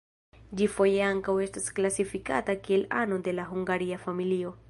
Ĝi foje ankaŭ estas klasifikata kiel ano de la Hungaria familio.